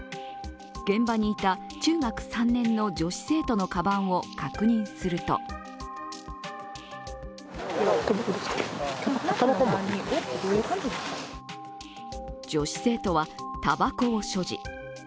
現場にいた中学３年の女子生徒のかばんを確認すると女子生徒は、たばこを所持。